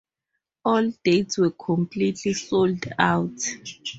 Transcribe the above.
All dates were completely sold out.